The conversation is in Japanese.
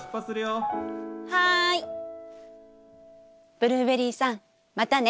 ブルーベリーさんまたね！